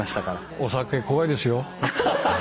お酒怖いですよ。